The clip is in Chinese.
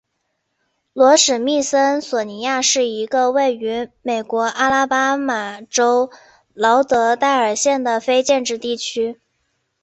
罗史密森索尼亚是一个位于美国阿拉巴马州劳德代尔县的非建制地区。